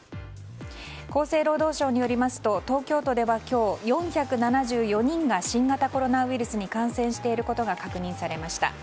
厚生労働省によりますと東京都では今日４７４人が新型コロナウイルスに感染していることが確認されました。